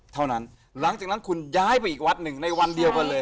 หลังจากนั้นคุณย้ายไปอีกวัดหนึ่งในวันเดียวกันเลย